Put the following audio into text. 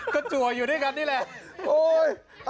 กระจั่วอยู่นี่ครับนี่แหละ